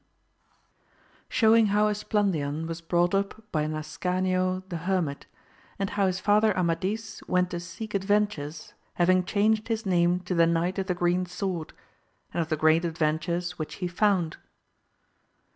— Showing how Esplandian was brought up by Nas ciano the Hermit, and how his father Amadis went to seek adyentures haying changed his name to the Knight of the Gl reen Sword, and of the great adyentures which he found.